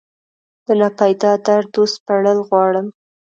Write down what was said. دناپیدا دردو سپړل غواړم